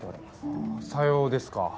あぁさようですか。